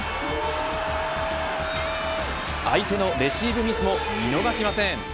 相手のレシーブミスも見逃しません。